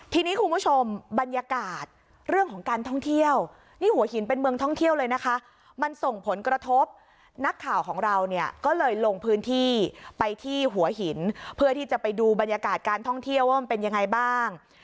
ทีนี้คุณผู้ชมบรรยากาศเรื่องของการท่องเที่ยวนี่หัวหินเป็นเมืองท่องเที่ยวเลยนะคะมันส่งผลกระทบนักข่าวของเราเนี่ยก็เลยลงพื้นที่ไปที่หัวหินเพื่อที่จะไปดูบรรยากาศการท่องเที่ยวว่ามันเป็นยังไงบ้าง